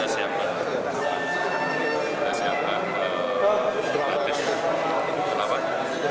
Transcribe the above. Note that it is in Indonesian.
kita siapkan ratis